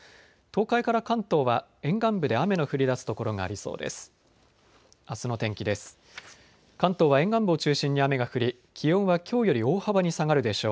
東海から関東は沿岸部で雨の降りだす所がありそうです。